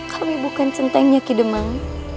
kami bukan centengnya kidemang